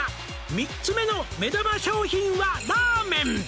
「３つ目の目玉商品はラーメン」